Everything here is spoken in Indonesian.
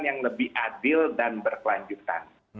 yang lebih adil dan berkelanjutan